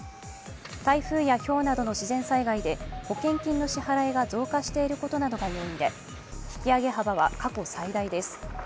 台風やひょうなどの自然災害で保険金の支払いが増加していることなどが要因で引き上げ幅は過去最大です。